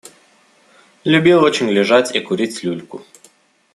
Любил очень лежать и курить люльку.